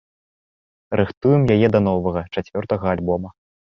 Рыхтуем яе да новага, чацвёртага альбома.